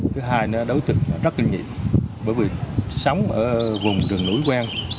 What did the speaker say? thứ hai là đối tượng rất kinh nghiệm bởi vì sống ở vùng đường núi quen